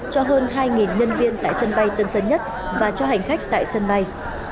cho hơn hai nhân viên tại sân bay tân sơn nhất và cho hành khách tại sân bay